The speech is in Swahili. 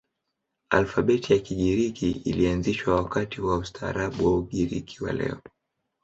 Alfabeti ya Kigiriki ilianzishwa wakati wa ustaarabu wa Ugiriki wa leo.